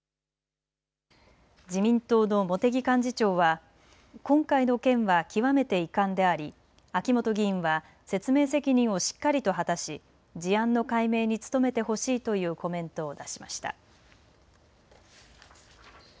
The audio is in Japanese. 自民党の茂木幹事長は今回の件は極めて遺憾であり秋本議員は説明責任をしっかりと果たし事案の解明に努めてほしいというコメントを出しました。